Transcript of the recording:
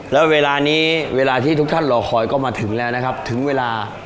แล้วเวลานี้เวลาที่ทุกท่านรอคอยก็มาถึงแล้วนะครับถึงเวลา